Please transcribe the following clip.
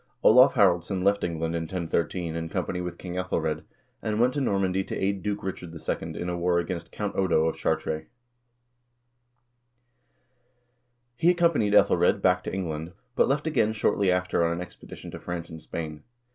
Olav Haraldsson left England in 1013 in company with King iEthelred, and went to Normandy to aid Duke Richard II. in a war against Count Odo of Chartres. He accompanied iEthelred back to England, but left again shortly after on an expedition to France and Spain.